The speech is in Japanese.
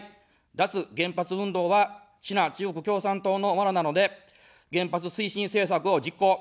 脱原発運動はシナ、中国共産党のワナなので原発推進政策を実行。